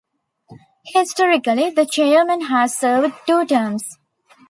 Historically, the Chairman has served two terms.